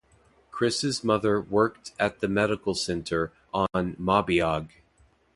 Kris's mother worked at the medical centre on Mabuiag.